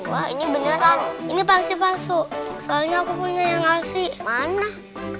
wah ini beneran ini pasti masuk soalnya aku punya yang ngasih mana oh